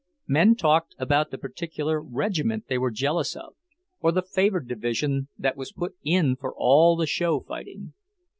Men talked about the particular regiment they were jealous of, or the favoured division that was put in for all the show fighting.